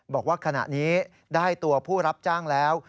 บอกว่าขณะนี้ได้ตัวผู้รับจ้างแล้ว